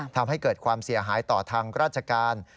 ทำให้เกิดความเสียหายต่อทางราชการ